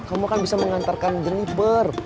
kamu akan bisa mengantarkan jerniper